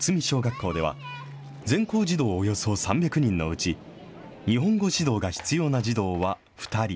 小学校では、全校児童およそ３００人のうち、日本語指導が必要な児童は２人。